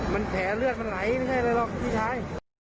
มันแผลเลือดมันไหลนึกได้เลยหรอกพี่ชาย